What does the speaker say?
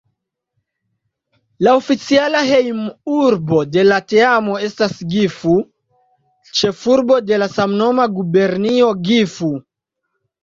La oficiala hejmurbo de la teamo estas Gifu, ĉefurbo de la samnoma gubernio Gifu.